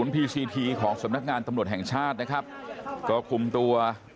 พีซีทีของสำนักงานตำรวจแห่งชาตินะครับก็คุมตัว